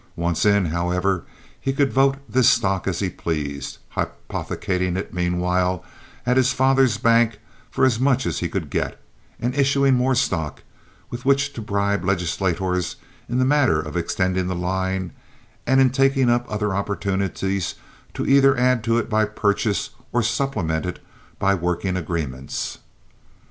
Once in, however, he could vote this stock as he pleased, hypothecating it meanwhile at his father's bank for as much as he could get, and issuing more stocks with which to bribe legislators in the matter of extending the line, and in taking up other opportunities to either add to it by purchase or supplement it by working agreements.